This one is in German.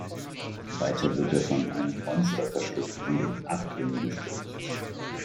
Weiter wird er von einem Monster verschluckt und in Abgründe gestürzt.